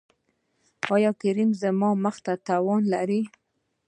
ایا کریم زما مخ ته تاوان لري؟